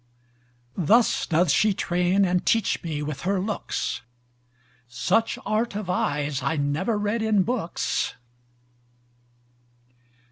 Thus doth she train and teach me with her looks, Such art of eyes I never read in books.